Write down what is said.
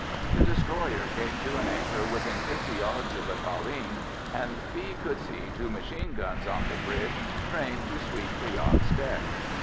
The destroyer came to an anchor within fifty yards of the Colleen, and Fee could see two machine guns on the bridge trained to sweep the yacht's deck.